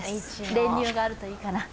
練乳があるといいかな。